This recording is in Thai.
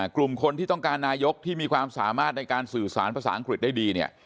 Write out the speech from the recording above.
กลุ่มคนที่ต้องการนายกที่มีความสามารถในการสื่อสารภาษาอังกฤษได้ดีเนี่ย